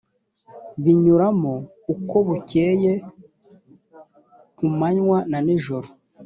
binyuramo uko bukeye ku manywa na nijoro